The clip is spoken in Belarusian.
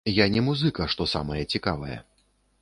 Я не музыка, што самае цікавае.